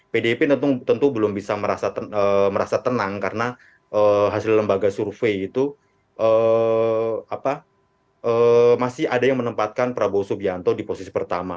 pdip tentu belum bisa merasa tenang karena hasil lembaga survei itu masih ada yang menempatkan prabowo subianto di posisi pertama